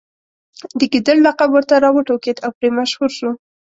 د ګیدړ لقب ورته راوټوکېد او پرې مشهور شو.